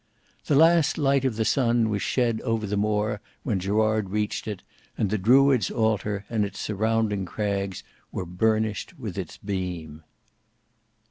The last light of the sun was shed over the Moor when Gerard reached it, and the Druids' altar and its surrounding crags were burnished with its beam.